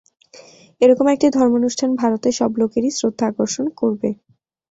এ-রকম একটি ধর্মানুষ্ঠান ভারতের সব লোকেরই শ্রদ্ধা আকর্ষণ করবে।